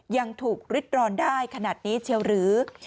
ยังถูกริดร้อนได้ขนาดนี้เชียวหรือ